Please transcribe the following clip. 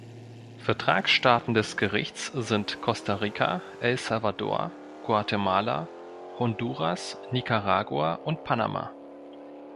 Vertragsstaaten des Gerichts sind Costa Rica, El Salvador, Guatemala, Honduras, Nicaragua und Panama.